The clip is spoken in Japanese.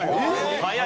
早い。